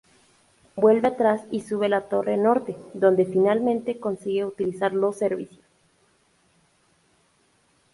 Vuelve atrás y sube la torre norte, donde finalmente consigue utilizar los servicios.